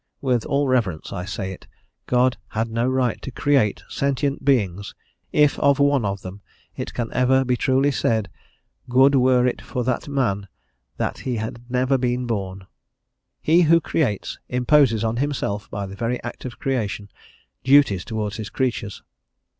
With all reverence I say it, God had no right to create sentient beings, if of one of them it can ever be truly said, "good were it for that man that he had never been born." He who creates, imposes on himself, by the very act of creation, duties towards his creatures.